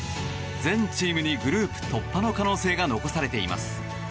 全チームにグループ突破の可能性が残されています。